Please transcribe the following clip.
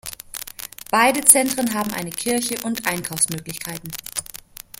Beide Zentren haben eine Kirche und Einkaufsmöglichkeiten.